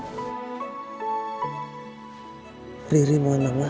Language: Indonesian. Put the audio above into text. ini tempat terbaik untuk pengobatan penyakit jantung kamu